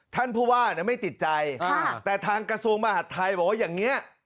ท่านผู้ว่าไม่ติดใจแต่ทางกระทรวงมหาดไทยบอกว่าอย่างนี้